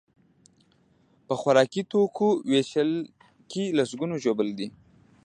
په خوراکي توکیو ویش کې لسکونه ژوبل دي.